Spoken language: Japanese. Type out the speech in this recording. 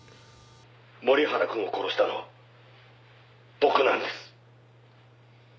「森原くんを殺したのは僕なんです」